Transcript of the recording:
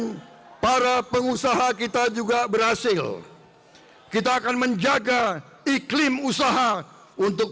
dengan para pengusaha kita juga berhasil kita akan menjaga iklim usaha untuk